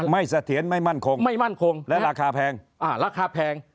ไม่เสถียรไม่มั่นคงและราคาแพง